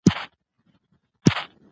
ولایتونه د افغان ماشومانو د لوبو موضوع ده.